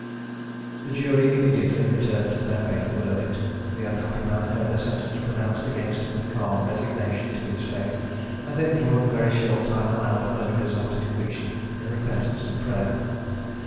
The jury immediately returned their fatal verdict. The unhappy man heard the sentence pronounced against him with calm resignation to his fate, and employed the very short time allowed murderers after conviction in repentance and prayer.